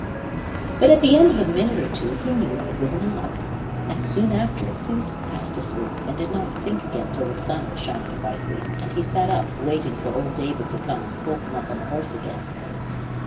But at the end of a minute or two he knew it was an owl, and soon after he was fast asleep and did not think again till the sun was shining brightly, and he sat up waiting for old David to come and pull him up on the horse again.